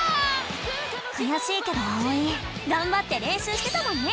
くやしいけどあおいがんばってれんしゅうしてたもんね！